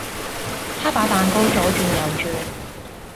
他把蛋糕左轉右轉